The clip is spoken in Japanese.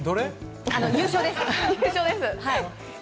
優勝です。